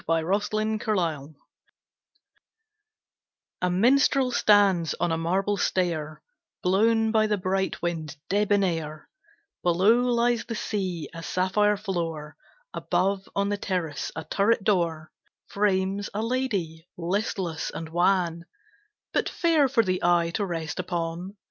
The Road to Avignon A Minstrel stands on a marble stair, Blown by the bright wind, debonair; Below lies the sea, a sapphire floor, Above on the terrace a turret door Frames a lady, listless and wan, But fair for the eye to rest upon.